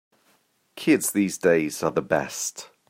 Kids these days are the best.